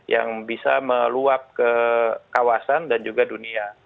yang bisa meluap ke kawasan dan juga dunia